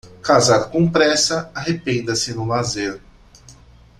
Casar com pressa, arrependa-se no lazer.